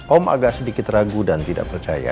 om agak sedikit ragu dan tidak percaya